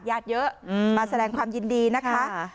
ญาติเยอะมาแสดงความยินดีนะคะ